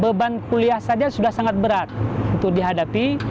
beban kuliah saja sudah sangat berat untuk dihadapi